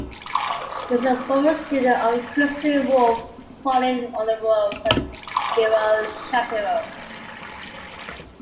He is a former student of Christian Wolff, Pauline Oliveros and Gerald Shapiro.